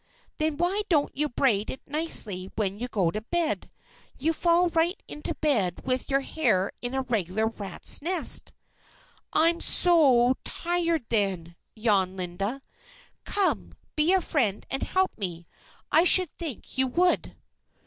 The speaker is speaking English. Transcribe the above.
"Then why don't you braid it nicely when you go to bed? You fall right into bed with your hair in a regular rat's nest!" "I'm so o tired then," yawned Linda. "Come! be a friend and help me. I should think you would."